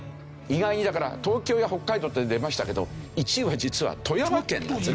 意外にだから東京や北海道って出ましたけど１位は実は富山県なんですね。